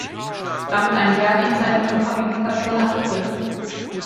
Damit einher ging seine Umhabilitation nach Kiel.